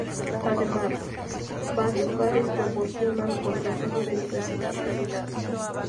Además, varios bares proporcionan ron casero de diversa calidad.